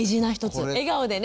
笑顔でね。